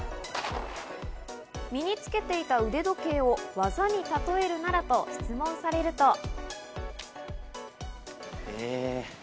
身につけていた腕時計を技に例えるならと質問されると。